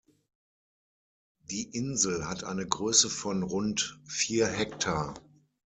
Die Insel hat eine Größe von rund vier Hektar.